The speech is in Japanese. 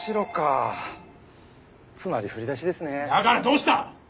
だからどうした！